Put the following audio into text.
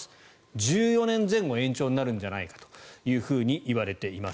１４年前後延長になるんじゃないかといわれています。